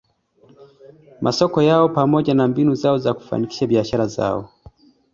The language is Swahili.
masoko yao pamoja na mbinu zao za kufanikisha biashara zao